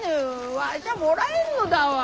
わしゃもらえんのだわ。